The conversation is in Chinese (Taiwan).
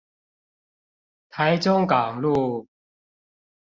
台中港路